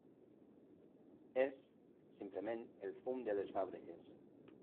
És, simplement, el fum de les fàbriques.